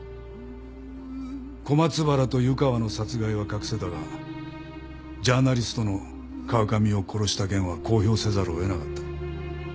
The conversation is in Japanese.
小松原と湯川の殺害は隠せたがジャーナリストの川上を殺した件は公表せざるを得なかった。